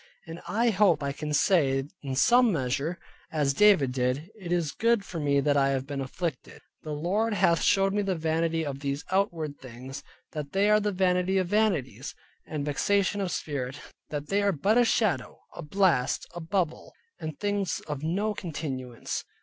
And I hope I can say in some measure, as David did, "It is good for me that I have been afflicted." The Lord hath showed me the vanity of these outward things. That they are the vanity of vanities, and vexation of spirit, that they are but a shadow, a blast, a bubble, and things of no continuance.